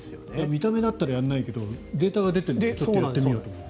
見た目だったらやらないけどデータが出てるならやってみようと思う。